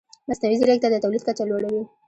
مصنوعي ځیرکتیا د تولید کچه لوړه وي.